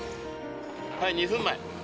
はい２分前。